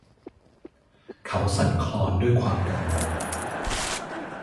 เขาสั่นคลอนด้วยความกังวล